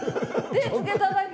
手つけただけ？